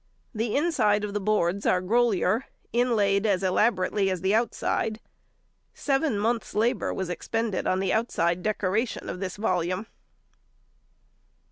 The inside of the boards are "Grolier," inlaid as elaborately as the outside. Seven months' labour was expended on the outside decoration of this volume.